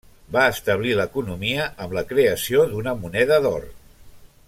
Va establir l'economia amb la creació d'una moneda d'or.